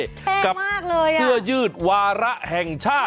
นะครับกับเสื้อยืดวาระแห่งชาติ